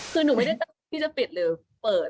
คือหนูไม่ได้ที่จะปิดหรือเปิด